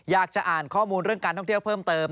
อยากจะอ่านข้อมูลเรื่องการท่องเที่ยวเพิ่มเติม